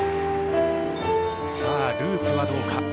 ループはどうか。